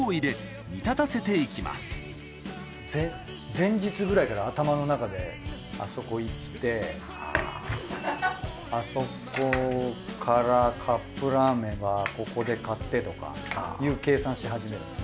前日くらいから頭の中であそこ行ってあそこからカップラーメンはここで買ってとかいう計算し始める。